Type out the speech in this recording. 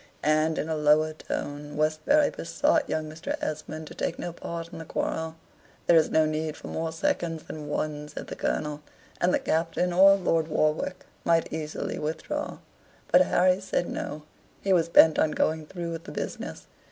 And, in a lower tone, Westbury besought young Mr. Esmond to take no part in the quarrel. "There was no need for more seconds than one," said the Colonel, "and the Captain or Lord Warwick might easily withdraw." But Harry said no; he was bent on going through with the business.